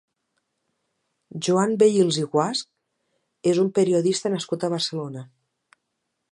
Joan Vehils i Guasch és un periodista nascut a Barcelona.